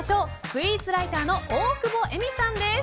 スイーツライターの大久保瑛美さんです。